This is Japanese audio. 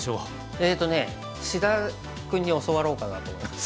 えっとね志田君に教わろうかなと思います。